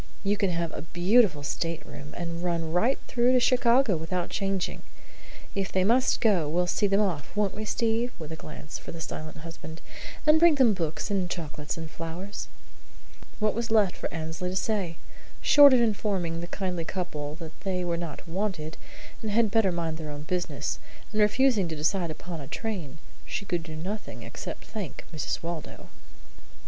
You can have a beautiful stateroom, and run right through to Chicago without changing. If they must go, we'll see them off, won't we, Steve?" with a glance for the silent husband, "and bring them books and chocolates and flowers?" What was left for Annesley to say? Short of informing the kindly couple that they were not wanted and had better mind their own business, and refusing to decide upon a train, she could do nothing except thank Mrs. Waldo.